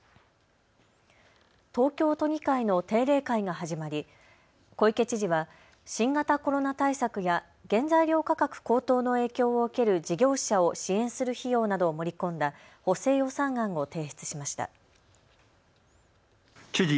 東京都議会の定例会が始まり小池知事は新型コロナ対策や原材料価格高騰の影響を受ける事業者を支援する費用などを盛り込んだ補正予算案を提出しました。